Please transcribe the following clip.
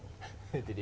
jadi di depok